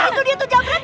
itu dia tuh jambret